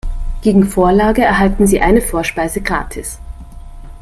Gegen Vorlage erhalten Sie eine Vorspeise gratis.